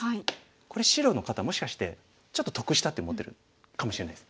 これ白の方もしかしてちょっと得したって思ってるかもしれないです。